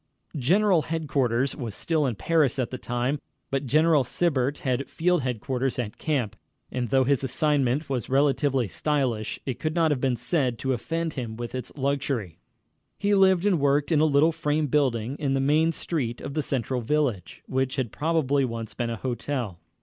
General Headquarters was still in Paris at this time, but General Sibert had Field Headquarters at camp, and though his assignment was relatively stylish, it could not have been said to offend him with its luxury. He lived and worked in a little frame building in the main street of the central village, which had probably once been a hotel.